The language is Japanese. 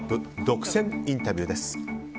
独占インタビューです。